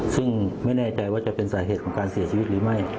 ซึ่งไม่แน่ใจว่าจะเป็นสาเหตุของการเสียชีวิตหรือไม่